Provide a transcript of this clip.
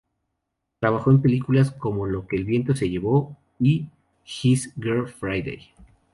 Trabajó en películas como "Lo que el viento se llevó" y "His Girl Friday".